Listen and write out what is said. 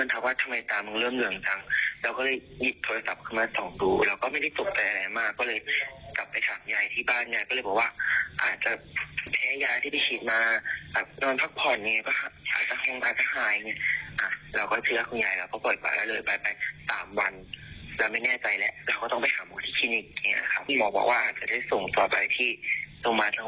หมอก็บอกว่าอาจจะได้ส่งต่อไปที่โรงพยาบาลทะวัฒน์